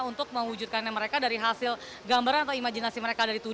untuk mewujudkan mereka dari hasil gambaran atau imajinasi mereka dari tujuan